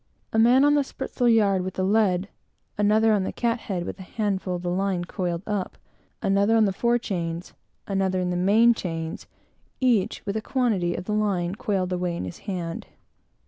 A man on the spritsail yard with the lead, another on the cathead with a handful of the line coiled up, another in the fore chains, another in the waist, and another in the main chains, each with a quantity of the line coiled away in his hand.